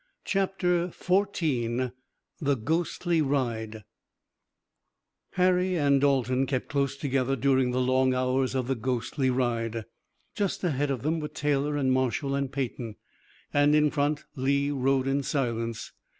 CHAPTER XIV THE GHOSTLY RIDE Harry and Dalton kept close together during the long hours of the ghostly ride. Just ahead of them were Taylor and Marshall and Peyton, and in front Lee rode in silence.